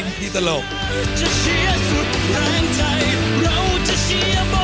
โปรดติดตามตอนต่อไป